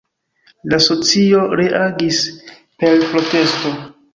La socio reagis per protesto.